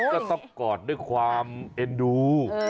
ก็ซับกรอดด้วยความเฮดดู